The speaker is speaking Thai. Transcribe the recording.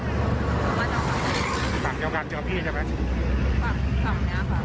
ข้างเกี่ยวกันเจอกับพี่ใช่ไหม